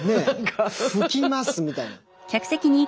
「拭きます」みたいな。